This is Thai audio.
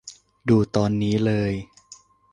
ดูตอนนี้เลย